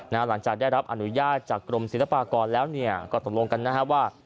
หลังจากได้รับอนุญาตจากกรมศิลปากรแล้วก็ตกลงกันนะฮะว่า